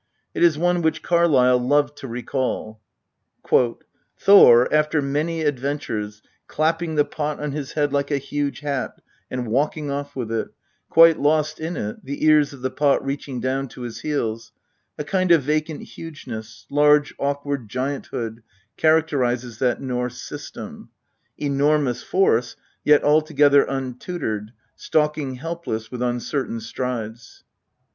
It is one which Carlyle loved to recall: "Thor, after many adventures, clapping the pot on his head like a huge hat, and walking off with it quite lost in it, the ears of the pot reaching down to his heels a kind of vacant hugeness, large awkward gianthood, characterises that Norse system ; enormous force, yet altogether untutored, stalking helpless with uncer tain strides."